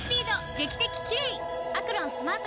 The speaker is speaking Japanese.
劇的キレイ！